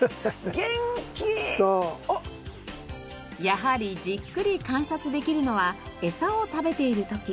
やはりじっくり観察できるのはエサを食べている時。